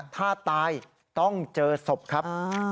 ถ้าตายต้องเจอศพครับ